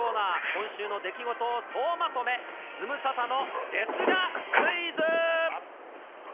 今週の出来事を総まとめ、ズムサタのですがクイズ。